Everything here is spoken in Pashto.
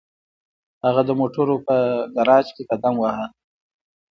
هغه د موټرو په ګراج کې قدم واهه